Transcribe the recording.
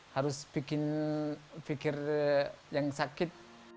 harus bikin pikir yang sakit